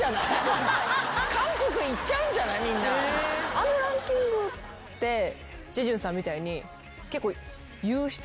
あのランキングってジェジュンさんみたいに結構。